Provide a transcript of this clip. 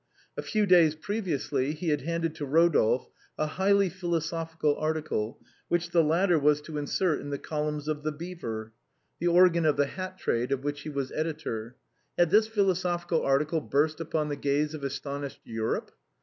A few days previously he had handed to Rodolphe a highly philosophical article, which the latter was to insert in the columns of " The Beaver," the organ of the hat trade, of which he was editor. Had this philoso phical article burst upon the gaze of astonished Europe?